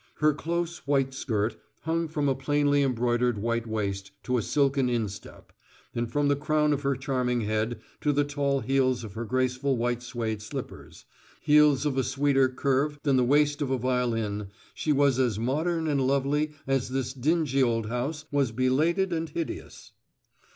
Her close, white skirt hung from a plainly embroidered white waist to a silken instep; and from the crown of her charming head to the tall heels of her graceful white suede slippers, heels of a sweeter curve than the waist of a violin, she was as modern and lovely as this dingy old house was belated and hideous.